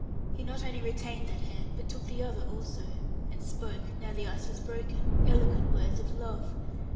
He not only retained that hand, but took the other also, and spoke, now the ice was broken, eloquent words of love.